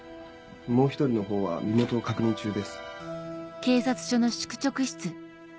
もう１人の方は身元を確認中です。